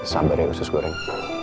sabar ya usus goreng